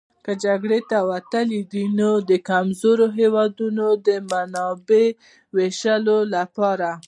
که جګړې ته وتلي دي نو د کمزورو هېوادونو د منابعو وېشلو لپاره.